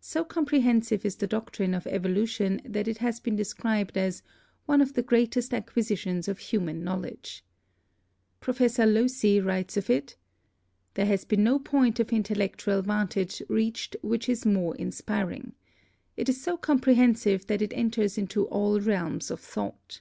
So comprehensive is the doctrine of evolution that it has been described as "one of the greatest acquisitions of human knowledge." Professor Locy writes of it : "There has been no point of intellectual vantage reached which is more inspiring. It is so comprehensive that it enters into all realms of thought."